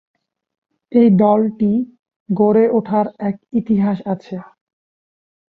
এই দলটি গড়ে ওঠার এক ইতিহাস আছে।